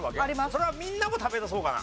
それはみんなも食べたそうかな？